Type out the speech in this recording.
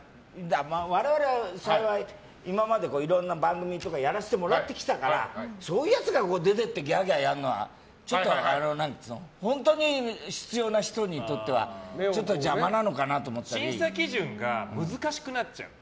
我々は幸い、今までいろんな番組とかやらせてもらってきたからそういうやつが出てってギャーギャーやるのは本当に必要な人にとっては審査基準が難しくなっちゃう。